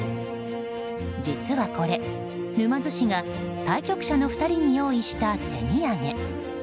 実はこれ、沼津市が対局者の２人に用意した手土産。